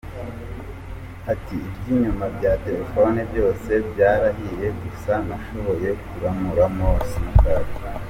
Ati “Iby’inyuma bya telefone byose byarahiye, gusa nashoboye kuramuramo simukadi.